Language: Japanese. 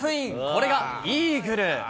これがイーグル。